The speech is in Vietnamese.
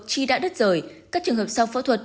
chi đã đứt rời các trường hợp sau phẫu thuật